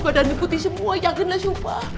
badan putih semua yang kena sumpah